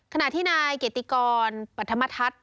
ขณะที่นายเกติกรปัธมทัศน์